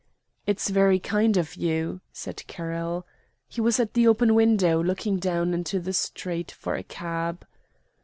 "It's very kind of you," said Carroll. He was at the open window, looking down into the street for a cab.